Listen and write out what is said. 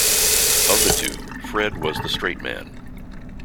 Of the two, Fred was the "straight man".